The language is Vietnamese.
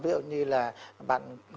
ví dụ như là bạn